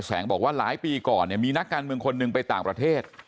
แสงบอกว่าหลายปีก่อนเนี่ยมีนักการเมืองคนหนึ่งไปต่างประเทศ